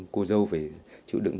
cô dâu phải chịu đựng